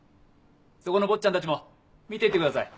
そこの坊っちゃんたちも見て行ってください。